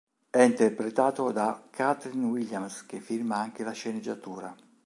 È interpretato da Kathlyn Williams che firma anche la sceneggiatura.